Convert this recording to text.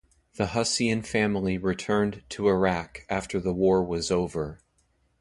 The Hussein family returned to Iraq after the war was over.